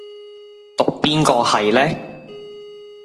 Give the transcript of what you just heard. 讀邊個系呢？